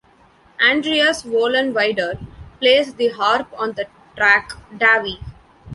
Andreas Vollenweider plays the harp on the track "Davy".